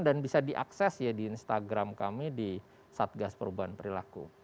dan bisa diakses ya di instagram kami di satgas perubahan perilaku